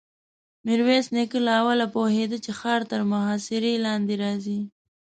ميرويس نيکه له اوله پوهېده چې ښار تر محاصرې لاندې راځي.